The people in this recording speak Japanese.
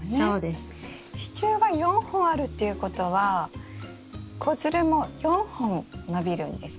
支柱が４本あるっていうことは子づるも４本伸びるんですか？